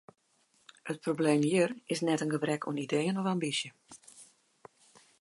It probleem hjir is net in gebrek oan ideeën of ambysje.